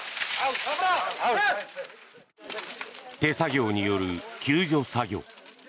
手作業による救助作業。